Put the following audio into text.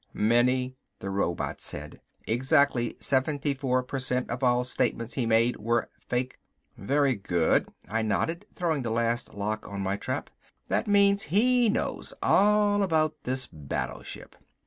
"Many," the robot said. "Exactly seventy four per cent of all statements he made were fake." "Very good," I nodded, throwing the last lock on my trap. "That means he knows all about this battleship."